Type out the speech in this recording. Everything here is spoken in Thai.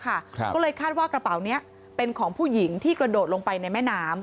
ก็เลยคาดว่ากระเป๋านี้เป็นของผู้หญิงที่กระโดดลงไปในแม่น้ำ